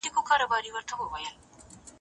زه هڅه کوم چي خپل عزت تل وساتم.